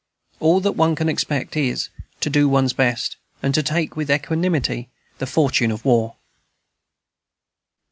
All that one can expect is, to do one's best, and to take with equanimity the fortune of war.